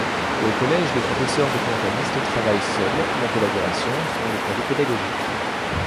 Au collège, les professeurs documentalistes travaillent seuls ou en collaboration, selon des projets pédagogiques.